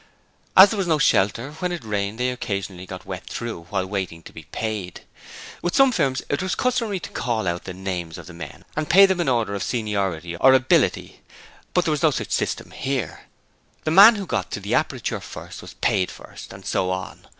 As there was no shelter, when it rained they occasionally got wet through while waiting to be paid. With some firms it is customary to call out the names of the men and pay them in order of seniority or ability, but there was no such system here; the man who got to the aperture first was paid first, and so on.